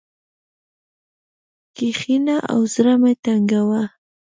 کښېنه او زړه مه تنګوه.